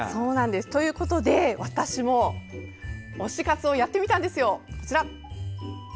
ということで私も推し活をやってみたんですよ。